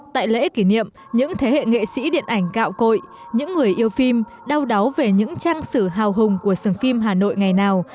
tại lễ kỷ niệm những thế hệ nghệ sĩ điện ảnh gạo cội những người yêu phim đau đáu về những trang sử hào hùng của sừng phim hà nội ngày nào